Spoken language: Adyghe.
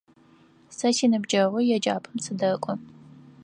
Сэ синыбджэгъу еджапӏэм сыдэкӏо.